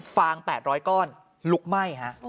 ฟางแปดร้อยก้อนลุกไหม้ฮะ